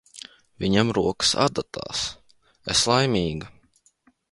Viņam rokas adatās, es – laimīga.